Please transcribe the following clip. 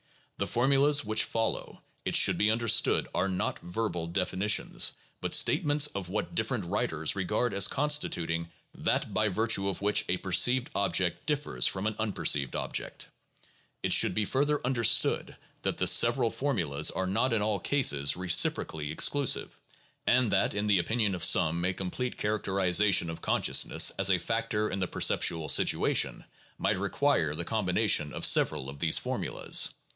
The formulas which follow, it should be understood, are not verbal definitions, but state ments of what different writers regard as constituting "that by virtue of which a perceived object differs from an unperceived ob ject." It should be further understood that the several formulas are not in all cases reciprocally exclusive, and that in the opinion of some a complete characterization of consciousness (as a factor in the perceptual situation) might require the combination of several of these formulas.